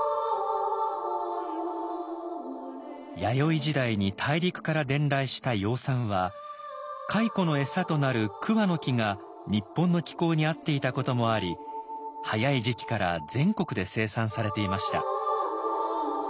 弥生時代に大陸から伝来した養蚕は蚕の餌となる桑の木が日本の気候に合っていたこともあり早い時期から全国で生産されていました。